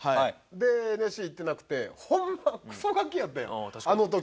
でＮＳＣ行ってなくてホンマクソガキやったやんあの時。